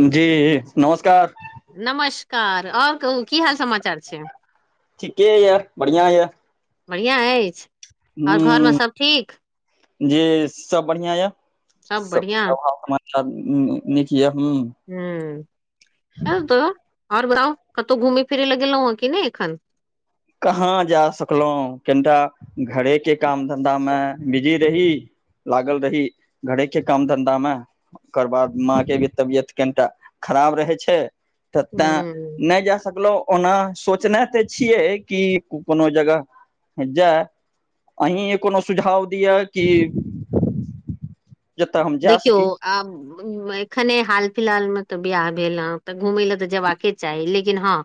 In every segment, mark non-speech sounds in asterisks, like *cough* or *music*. जी नमस्कार। नमस्कार आओर कहू की हाल समाचार छै। ठीके या बढ़िया या। बढ़िआँ अछि। और घरमे हुं सब ठीक जी सब बढ़िआँ या। सब सब हाल समाचार नी नीक या हुं। हुं त और बताउ कतहु घुम फिरै लए गेलौए कि नहि एखन। कहाँ जा सकलौं कनीटा घरे के काम धंधा मे बिजी रही। लागल रही घरे के काम धन्धा मे। ओकर बाद माँ के भी तबियत कनीटा खराब रहै छै। त तें हूँ नै जा सकलहुँ ओना सोचने त छियै। की कूपनो जगह जाइ अहीं य कोनो सुझाव दीअ की। देखियौ सकी आब। एखने हाल फिलहाल मे तऽ बियाह भेल ह तऽ घूमय लए तऽ जबाके चाही लेकिन हँ।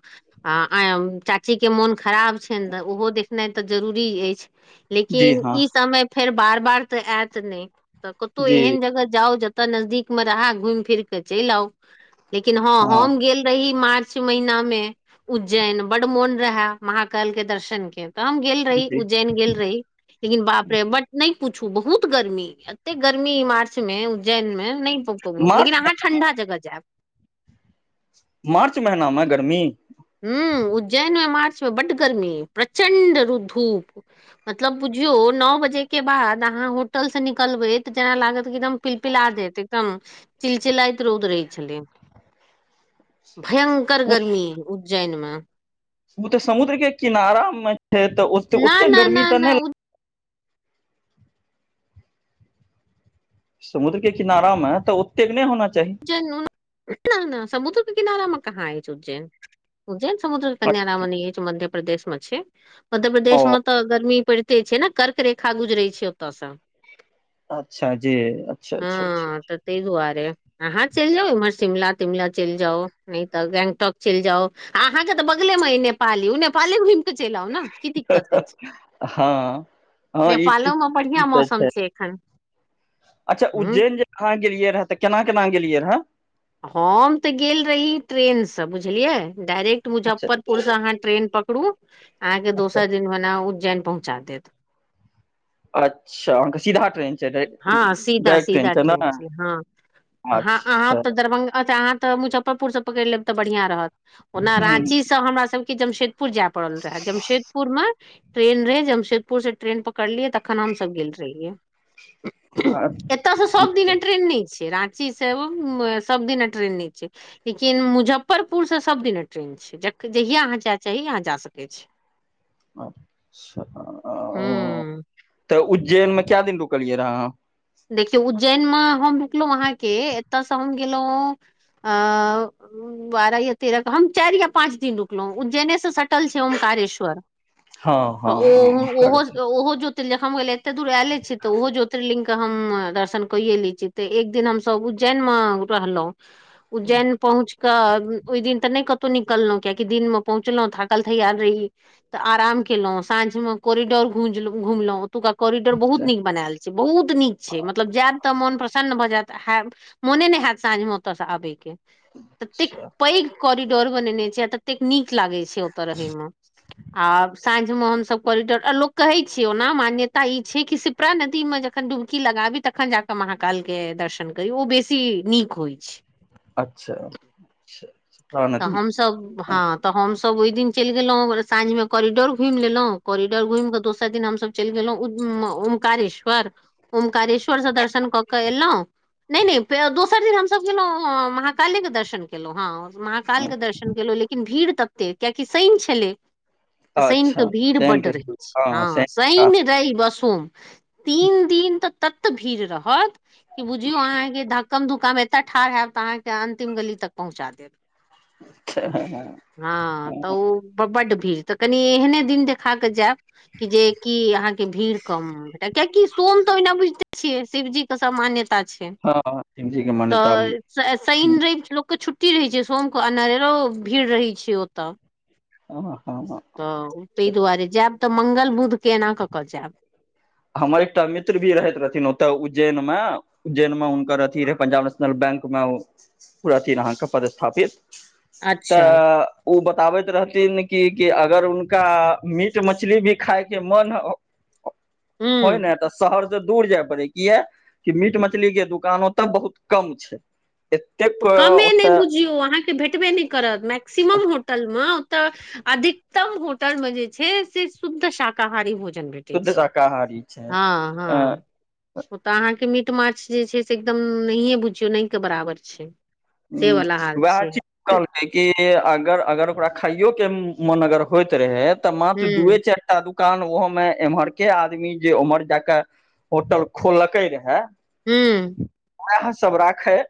आ- आ चाचीके मोन खराब छैन तऽ ओहो देखनाय तऽ जरूरी अैछ। जी लेकिन हँ इ समय फेर बार बार तऽ ऐत ने तऽ कतौ जी एहन जगह जाउ जतऽ नजदीक मे रहा घुमि फिर के चैल आउ। लेकिन ह हँ हम गेल रही मार। च महिना मे उज्जैन बड मोन रहे महाकाल के दर्शन के। तहन गेल रही जी उज्जैन गेल रही। लेकिन बाप रे बट नैय पूछू बहुत गर्मी एते गर्मी मार्च। च मे उज्जैन में मार्च लेकिन अहाँ ठंडा जगह जेइब। मार्च महिना मे गर्मी। हूँ उज्जैन मे मार्च मे बड गर्मी प्रचण्ड रू धूप। मतलब बुझियो न बजे के बाद आहाँ होटल से निकलबे तऽ जेना लागत एकदम। पिल पिलादेत एकदम चिलचिलइत रौद रहै छेलै। भयंकर गर्मी उज्जैन मे। मुदा समुद्र के किनारा मे छै तऽ ना ओते-ओते ना गर्मी ना तऽ ना नैय ल समुद्र के किनारा मे तऽ ओतेक नैय होना चाही। उज्जैन समुद्र के किनारा मे कहाँ अैछ उज्जैन उज्जैन। समुद्र अ किनारा मे नै अैछ ध्यप्रदेश मे छै ओ मध्यप्रदेश मे। तऽ गर्मी पड़िते छै ने कर्क रेखा गुजरेै छैय ओतऽ स। अच्छा जे अच्छा- अच्छा अच्छा। तैय दुआरे आहाँ चैल जाउ इम्हर शिमला -तिमला चैल जाउ। नैय तऽ गैंगटोक चैल जाउ आहाँ के तऽ बगले मे या नेपाल यौ नेपाले घुम चैल औ ने की दिक्कत अैछ। हँ हँ ई त नेपालो मे ई बढ़ियां तऽ मौसम छै एखन। अच्छा ह उज्जैन जे आहाँ गेलियै रह तऽ केना -केना गेलियै रहे। हम तऽ गेल रही ट्रेन स बुझलियै डायरेक्ट अच्छा मुजफ्फरपुर से आहाँ ट्रेन पकड़ू आहाँ के अच्छा दोसर दिन भने उज्जैन पहुँचा देत। अच्छा आँहा के सिधा ट्रेन छै ह डायरेक्ट सीधा -सीधा ट्रेन छै हं। ह आहाँ अच्छा तऽ दरभंगा आहाँ तऽ मुजफ्फरपुर से पकैड़ लेब तऽ बढ़िया रहत ओना राँची। सब हमरा सबके जमशेदपुर जेेएय पड़ल रहे जमशेदपुर मे। ट्रेन रहे, जमशेदपुर से ट्रेन पकड़लियै तखन हम सब गेल रहिैयै। एतऽ स सब ह दिने ट्रेन नैय छैय? राँची से सब दिन ट्रेन नै छै, लेकिन मुजफ्फरपुर से सब दिन ट्रेन छैय। जहिया आहाँ जाय चाही, आहाँ जा सकै छी। *inaudible* *inaudible* अ ह तऽ उज्जैन मे केऽ दिन रुकलियै आहाँ। देखियौ, उज्जैन मे हम निकलौ आहाँके, एतय स हम गेलौ आ बारह या तेरह के हम, चैर या पाँच दिन रुकलौ, उज्जैने स सटल छै ॐकारेश्वर। अहाँ तऽ हँ ओ हँ हँ ओहो करैत -ओहो ज्योतिर्लिंग हम कहलौ, एते दूर एयले छी तऽ, ओहो ज्योतिर्लिंग। हम दर्शन कैये लै छी तऽ, एक दिन हमस उज्जैन मे रहलौ, उज्जैन पहुँच कऽ, ओय दिन तऽ नैय कतौ निकलौ, कियाकि दिन मे पहुँचलौ, थाकल -थैयाल रही। त आराम केलौ साँझ मे कोरिडोर घुमलौ। ओतुका करिडोर बहुत अच्छा नीक बनेऽयल छै, बहुत बहुत नीक छै, मतलब जायत तऽ मोन प्रसन्न भऽ जेऽत, मोने नैय हेऽत साँझ मे ओतऽ स आबे के। ततेक पैघ कोरिडोर बनेने छै, आ ततेक नीक लागेै छैय। से ओत रहै मे, आब साँझ मे हमसब कोरिडोर, आ लोको कहे छैय ओना, मान्यता ई छै कि सिपरा नदी मे जख जखन डुमकी लगाबी, तखन जाके महाकाल के दर्शन करी, ओ बेसी नीक होय छैय। अच्छा! प्राण तऽ नदी हमसभ हँ, तऽ हमसभ ओहि दिन चलि गेलहुँ, साँझ मे कोॉरिडोर घुमि लेलहुॅ। कोरिडोर घुमि कऽ, दोसर दिन हमसभ चलि गेलहुँ उज्ज ओऊंकारेश्वर। ओंकारेश्वर स दर्शन कऽ कऽ एलहु। नहि -नहि दोसर दिन हमस गेलहुँ, महाकाली के दर्शन केलहुं, हँ। कालके दर्शन केलहुँ, लेकिन भीड़ ततते कियाकि शनिन छलै। तऽ शनिके अच्छा भीड़ शैन बड्ड के रहै छै, हँ शैन शनि, रैव, आ सोम। तीन दिन तऽ तत भीड़ रहत, कि बुझियौ अहाँके धक कम दुुकााम एतऽ ठाढ़ हैब तऽ, अहाँके अंतिम गली तक पहुँचा देब। हँ, तऽ ओ बड्ड भीड़ तऽ, कनि एहने दिन देखा कऽ जायब। कि जे की, अहाँके भीड़ कम। कियकि सोम तऽ ओहिना बुझिते छियै, शिवजीे के सब सामान्यता। छै, हँ शिव जी के मान्यता तऽ शनि, रैव लोकके छुट्टी रहै छै, सोम के अनहरो भीड़ रहै छै ओतऽ। उहु- उहू। तऽ ताहि दुआरे, जायब तऽ मंगल, बुध, केना कऽ -कऽ जायब। हमर एकटा मित्र भी रहैत रहथिन, ओतय उज्जैन मे। उज्जैन मे हुनकर अथी रहै, पंजाब नेशनल बैंक मे ओ अथि अहाँके पदस्थापित। अच्छा तऽ। ओ बताबैत रहथिन कि, कि अगर हुनका मीट -मछली भी खायके मन होय हूँ ने तऽ, शहर से दूर जाय पड़े, किया कि मीट- मछली के दुकानो ओतऽ बहुत कम छै। एतेक कमे नहि ओतऽ बुझियौ, अहाँके भेटबे नहि करत, मैक्सिमम हो होटल मे ओतऽ अधिकतम होटल मे जे छै, से शुद्ध श शाकाहारी भोजन भेटै शुद्ध छै, शाकाहारी छै हँ-हँ। अ ओ तऽ अहाँके मीट -माछ जे छै, से एकदम नहिए बुझियौ, नहिके बराबर छै। से हुं, वाला हाल उएह छै चि कहलकै कि अगर - अगर ओकरा खाइयो के मोन अगर होइत रहै- तऽ माँ त दुए हूँ चारि एकटा दुकान ओहो में एम्हर के आदमी जे उम्हर जाके होटल खोललकै रहे, हू वेएह सब राखय,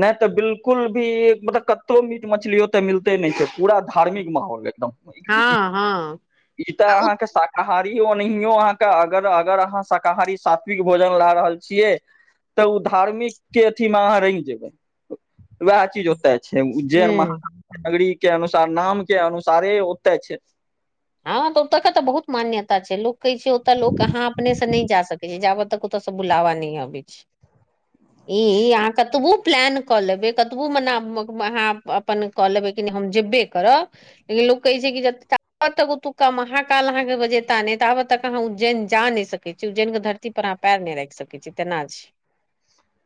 नहि तऽ बिलकुल भी मतलब कतौ मीट मछली ओतऽ मिलते नहि छै पूरा धार्मिक माहौल एकदम हँ हँ ई त आ ओ अहाँके शाक शाकाहारी ओनहियो अहाँके अगर - अगर अहाँ शाकाहारी सात्विक भोजन ला रहल छियै तऽ ओ धार्मिक के अथी मे अहाँ रंगि जेबै वएह चीज होतै। छै, उज्जैन हूँ महनगरी के अनुसार नाम के अनुसारे ओतय छै। हँऽ ओतऽ के तऽ बहुत मान्यता छै लोक कहै छै ओतऽ लोक अहाँ अपने से नहि जा सकै छी जाबत तक ओतऽ से अहांके बुलावा नै अबै छै ई अहाँ कतबो प्लान कऽ लेबै कतबो मने अहाँ अपन कऽ लेबै कि हम जेबे करब लेकिन लोक कहै छै कि जते जाबत काल ओतुका महाकाल अहाँ के बजेता नहि ताबत अहाँ उज्जैन जा नहि सकै छी उज्जैनक के धरती पर पएर नहि राखि सकैत छी तेना छै।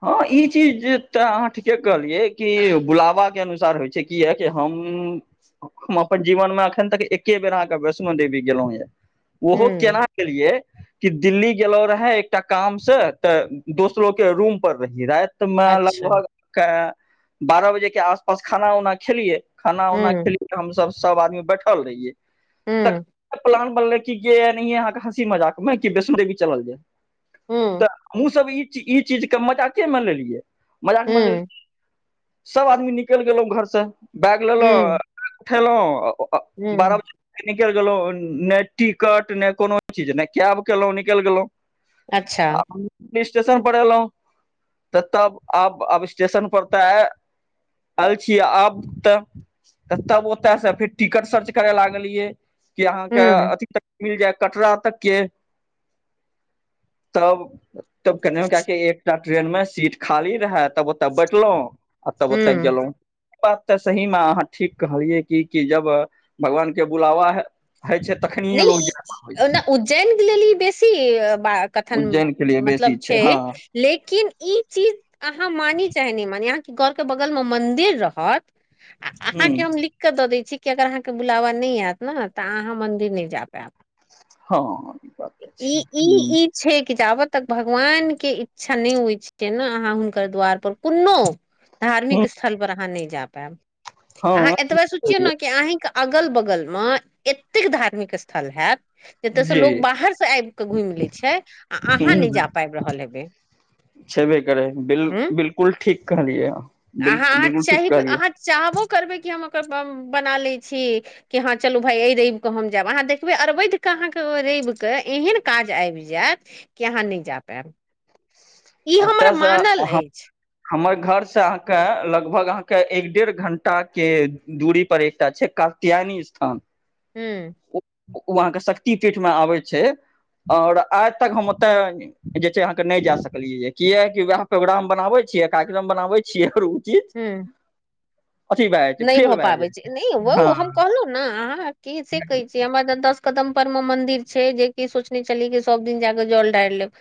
हँ ई चीज तऽ अहाँ ठीके कहलियै कि बुलावा के अनुसार होइ छै। किया कि हम्म हम अपन जीवन मे अखन तक एके बेर अहाँके वैष्णो देवी गेलहुँं ये ओहो हुँ, केना गेलियै कि दिल्ली गेलो रहे एकटा काम से तऽ दोसरो के रूम रहि राति मे अच्छा, लगभग बारह बजे के आस पास खाना उना खेलियै। खाना उना हुँ, खेलियै त हमसब सब आदमी बैठल रहियै हुँ, तखन प्लान बनलै कि एनहिये हँसी मजाक मे कि वैष्णो देवी चलल जाय तऽ हुँ, अहूं सब ई ई चीजके मजाके मे लेलियै मजाक माइन हुँ, लेलखिन। सभ आदमी निकलि गेलहुँ घरसँ, बैग लेलहुँ अ हुँ, उठेलहुँ अ बारह हुँ, बजे निकलि गेलहुँ ने टिकट ने कोनो चीज ने कैब केलहुँ निकलि गेलहुँ। अच्छा, आ स्टेशन पर एलहुँ तऽ तब आब - आब स्टेशन पर तऽ आयल छीय आब तऽ तऽ तब ओतय सँ फेर टिकट सर्च करय लागलियै कि अहाँके हुँ, अथि मिल जाय कटरा तक के तब तब कनिहु केए कऽ एकटा ट्रेन मे सीट खाली रहय तब ओतऽ बैठलहु। आ तब ओतऽ हुँ, गेलहुं। बात तऽ सहीमे अहाँ ठीक कहलियै कि की जब भगवान के बुलावा हैत होइ छै तखनि नहि इ ओना उज्जैन के लेल ई बेसी बात कथन उज्जैन के लिए बेसी मतलब छै हँ छैय, लेकिन ई चीज अहाँ मानी चाहे नै मानी यदि अहांके घर के बगल मे मंदिर रहत आ अहांके ह हम लिख के दऽ दै छी कि अगर अहाँके बुलावा नहि आयत ने तऽ अहाँ मंन्दिर नहि जा पायब। हँ ई बात तऽ ई छै ई ई छै कि जाबत तक भगवान के इच्छा नहि होइत छय ने अहाँ हुनकर द्वार पर कोनो ह धार्मिक स्थल पर अहाँ नहि जा पायब, अहाँ हँ एतबे सोचियौ ने कि अहींके अगल बगल मे एतेक धार्मिक स्थल हेएत जतय से जी लोक बाहर से आबि कऽ घुमि लै छै आ अहाँ नहि ह जा पाबि रहल हेबै। छेबे करै हूँ बिलकुल ठीक कहलियै बु अहाँ अहाँ बिलकुल ठीक चाहबै कहलियै। अहाँ चाहबो करबै कि हम ओकर बना ले छी कि हँ चलू भाय ए रव कऽ हम। जब अहाँ देखबै अरवैदिक अहाँके रविके एहन काज आबि जायत। य आहाँ नहि जा पायब। ई हमर तऽसँ मानल अछि हमर घर से अहाँके लगभग अहाँके एक डेढ़ घंटा के दूरी पर एकटा छै आहा क द्यानी स्थान। हू *unintelligible* ओ अहाँके शक्ति पीठमे आबै छै। और आज तक हम ओते जे छै अहाँ के नहि जा सक कहलिय किएकी वएह प्रोग्राम बनाबे छीयै कार्यक्रम बनाबे छियै। चीज हू। अथी भए जाइ छै नहि फेल भऽ भए पाबै जाइ छै नहि ओ हम हँ कहलहुँ ने अहाँ के से कहै छियै हमर ज दस कदम पर मे मंदिर छै जेकि सोचने छलीै सब दिन जाके जल ढारि लेब।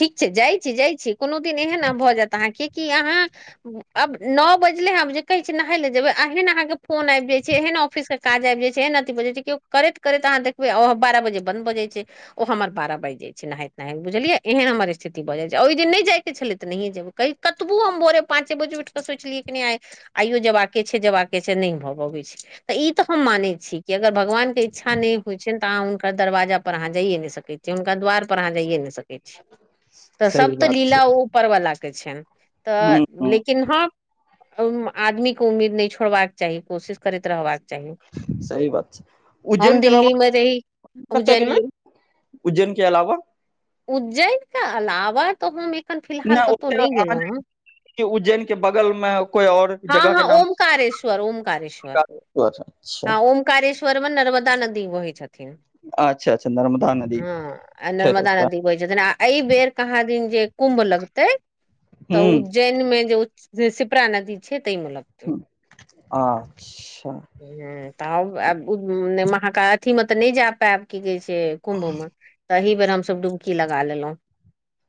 ठीक छै जाइ छी जाइ छी कोनो दिन एहन ने भऽ जायत अहाँके कि अहाँ। अब नओ बजले है जे कहै छी न ले जेबै एहन अहाँ के फोन आबि जय छै एहन ऑफिस के काज आब जाइ छै एहन अथी भ जय छै केओ। करैत करैत अहाँ देखबै बारह बजे बंद ब जाय छै ओ हमर बारह बाजि जाय छै। नहात नहात बुझलिय एहन हमर स्थिति भऽ जा छै ओहि दिन नहि जाय के छलै तऽ नहिए जेबै कै। कतबो हम भोरे पाँचे बजे उठ कऽ सोचलियै क नहि आइ आइयो जेबाक के छै जेबाक के छै नहि भऽ पबैत छै। तऽ ई तऽ हम मानै छी कि अगर भगवान के इच्छा नहि होइ छनि तऽ अहाँ हुनकर दरवाजा पर अहाँ जाइयए नहि सकैत छी। हुनका द्वार पर अहाँ जाइए नहि सकै। तऽ सब सही तऽ बात छै लीला ओपर्वला के छनि तऽ हूँ हूँ लेकिन किन्ह आदमी के उम्मीद नहि छोड़बाक चाही कोशिश करैत रहबाकी सही बात छै उज्जैन के अलावा। रहहि *inaudible* कतऽ गेलियै उज्जैन के अलावा। उज्जैन के अलावा तऽ हम एखन फिलहाल कतहु नहि गेलहुँ हेँ। कि उज्जैन के बगल मे कोई आओर। हँ हँ ओमकारेश्वर ओमकारेश्वर अच्छा हँ ओम कारेश्वर में नर्मदा नदी बहै छथिन। अच्छा अच्छा नर्मदा नदी। आ छै तऽ नर्मदा ओतऽ नदी बहै छथिन आ एहि बेर कहाँ दिन जे कुम्भ लगते। तऽ हूँ उज्जैन मे जे सिपरा नदी छै तै में लगते। ह अच्छा। ह तऽ अहाँके अथी मे तऽ नहि जा पायब की कहै छै। से कुम्भ में तही बेर हमसब डुमकी लगा लेलहुं।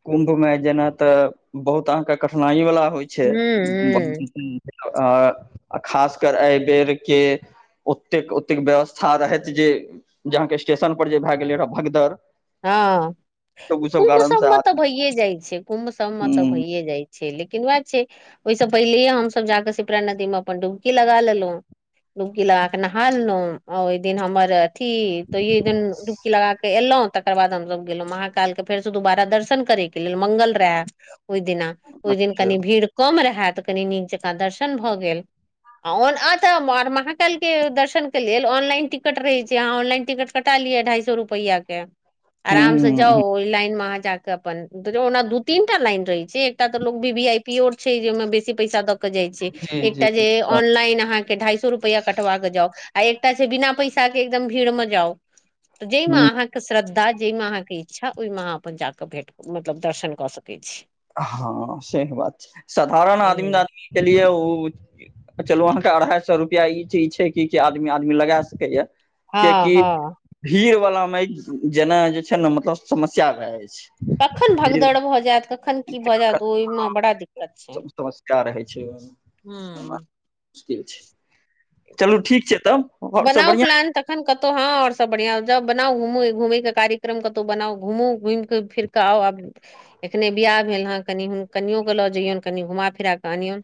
कुम्भ मे जेना तऽ बहुत अहाँके कठिनाई वालला होइ छै। हूं हूं खास कर एहि बेेर के। ओतेक ओतेक व्यवस्था रहैत जे जेहाँके स्टेशन पर जे भए गेलै रह भगदर। हँ कुम्भ सब मे तऽ आदमी भये जाय छै कुम्भ सब मे तऽ ह भैे जाय छै। छै लेकिन उएह छै ओहिसँ पहिलेे हमसभ जा कऽ सिपरा नदीमे अपन डुमकी लगा लेलहुँ। डुबकी लगा के नहायलहु ओहि दिन हमर। अथी तोयन डूबकी लगा क एलहु। तकर बाद हमसभ गेलहुं महाकाल के फेर से दुबारा दर्शन करे के लेल मंगल रहे ओहि दिना ओहि दिन अच्छा कनि भीड़ कम रहए त कनि नीक जकाँ दर्शन भऽ गेल। तऽ महाकाल के दर्शन के लेल ऑनलाइन टिकट रहै छै, अहाँ ऑनलाइन टिकट कटा लिय ढाई सो रुपैयाके, आरामसँ जाउ हूँ ओहि लाइन मे अहाँजाके के अपन। ओना दू तीन टा लाइन रहय छैय एकटा तऽ लोक वी- वी-आई -पी ओ छै जे मे बेसी पैसा द क जाइ छैय। जी जी एकटा जे ऑनलाइन अहाँके ढाई सए रुपया कटवाके जाउ आ एकटा छैय बिना पैसाके एकदम भीड़मे जाउ त जाहिमे हूँ अहाँ के श्रद्धा, जाहिमे अहाँके इच्छा ओहिमे अहाँ अपन जाकऽ भेंट मतलब दर्शन कऽ सकैत छी। हँ सेह बात छैय। साधारण आदमी, हूँ आदमी के लिए ओ चलू अहाँके अढ़ाई सए रुपआ ई चीज छैय कि, कि आदमी-आदमी लगा सकै या। हँ किएकि हँ भीड़ वालामे जेनाय जे छैय ने मतलब समस्या भए जाइ छैय। कखन भगदड़ भऽ जायत कखन की भऽ जायत ओहिमे बड़ा दिक्कत छैय। *unintelligible* रहय छैय ओ। हूँ। मुश्किल छैय। ब चलू ठीक छैय तब। आओर सब बनाउ बढ़िआँ प्लान तक एखन कतौ हँ और सब बढ़िया जाउ बनाउ घुमू घूमयके कार्यक्रम कतउ बनाउ घूमू घुमिके फेर। *unintelligible* एखने बियाह भेल हेँ, कनि हूँ कनियो क लऽ जइयौन कनि घुमा फिरा कऽ अनियौन।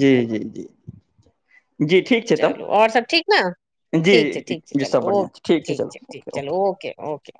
जी- जी -जी- जी ठीक छैय तब। चलू आओर सब ठीक ने ठीक छै जी- ठीक जी सब बढ़िआँ छैय। ठीक छै चलु ओके- ओके। ओके-ओके।